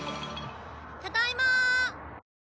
ただいま。